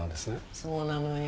そうなのよ。